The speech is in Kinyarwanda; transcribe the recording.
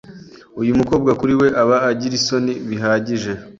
Uyu mukobwa kuri we aba agira isoni bihagije